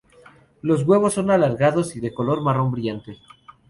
Los huevos son alargados y de color marrón brillante.